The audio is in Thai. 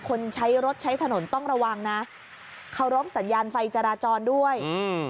คนใช้รถใช้ถนนต้องระวังนะเคารพสัญญาณไฟจราจรด้วยอืม